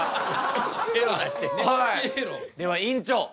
では院長